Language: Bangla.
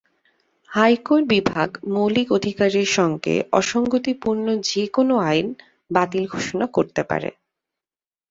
হাইকোর্ট বিভাগ মৌলিক অধিকারের সঙ্গে অসঙ্গতিপূর্ণ যেকোন আইন বাতিল ঘোষণা করতে পারে।